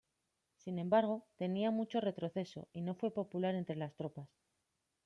Sin embargo, tenía mucho retroceso y no fue popular entre las tropas.